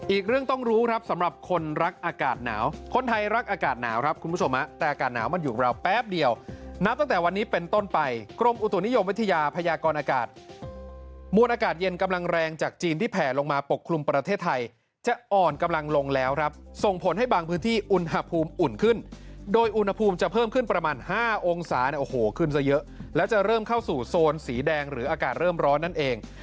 อีกเรื่องต้องรู้ครับสำหรับคนรักอากาศหนาวคนไทยรักอากาศหนาวครับคุณผู้ชมแต่อากาศหนาวมันอยู่แล้วแป๊บเดียวนับตั้งแต่วันนี้เป็นต้นไปกรมอุตถุนิยมวิทยาพยากรอากาศมวลอากาศเย็นกำลังแรงจากจีนที่แผ่ลงมาปกคลุมประเทศไทยจะอ่อนกำลังลงแล้วครับส่งผลให้บางพื้นที่อุณหภูมิอุ่น